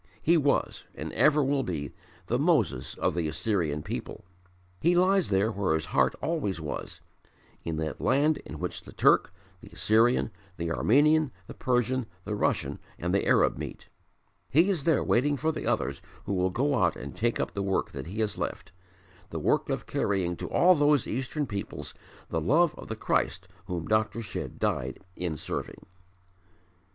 He was, and ever will be, the Moses of the Assyrian people." He lies there where his heart always was in that land in which the Turk, the Assyrian, the Armenian, the Persian, the Russian and the Arab meet; he is there waiting for the others who will go out and take up the work that he has left, the work of carrying to all those eastern peoples the love of the Christ whom Dr. Shedd died in serving.